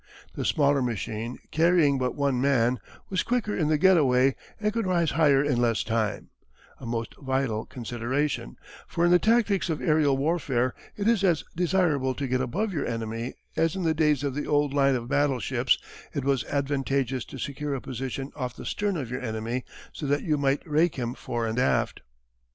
The smaller machine, carrying but one man, was quicker in the get away and could rise higher in less time a most vital consideration, for in the tactics of aërial warfare it is as desirable to get above your enemy as in the days of the old line of battleships it was advantageous to secure a position off the stern of your enemy so that you might rake him fore and aft.